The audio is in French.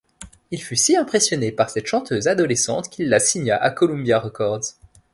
Il fut si impressionné par cette chanteuse adolescente qu'il la signa à Columbia Records.